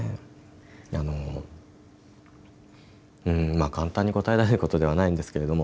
まあ、簡単に答えられることではないんですけれども。